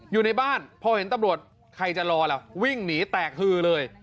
อยู่ในบ้านพอเห็นตำรวจใครจะรอล่ะวิ่งหนีแตกฮือเลย